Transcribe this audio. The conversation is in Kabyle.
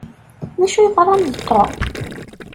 D acu yeḍran d Tom?